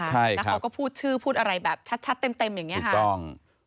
แต่เขาก็พูดชื่อพูดอะไรแบบชัดเต็มอย่างนี้